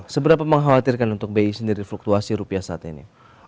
seberapa mengkhawatirkan untuk bi sendiri fluktuasi rupiah saat ini